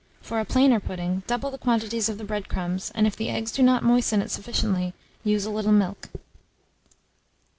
For a plainer pudding, double the quantities of the bread crumbs, and if the eggs do not moisten it sufficiently, use a little milk.